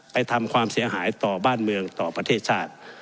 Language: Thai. ทำความเสียหายต่อบ้านเมืองต่อประเทศชาติ